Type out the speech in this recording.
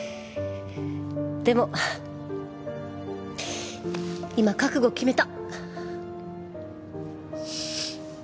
でも今覚悟決めた。